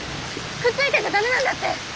くっついてちゃ駄目なんだって。